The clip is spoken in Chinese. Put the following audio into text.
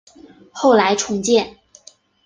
后来重建。